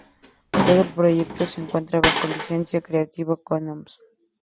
Todo el Proyecto se encuentra bajo licencia Creative Commons